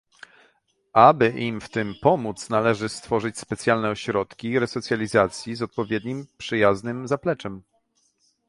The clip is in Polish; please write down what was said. Aby im w tym pomóc, należy stworzyć specjalne "ośrodki resocjalizacji" z odpowiednim, przyjaznym zapleczem